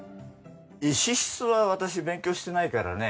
石質は私勉強してないからね